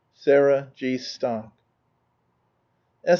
" Sarah G. Stock. S.